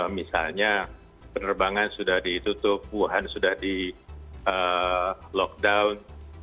misalnya penerbangan sudah ditutup wuhan sudah di lockdown